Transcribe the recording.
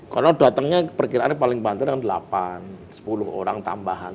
karena datangnya perkiraannya paling pantas delapan sepuluh orang tambahan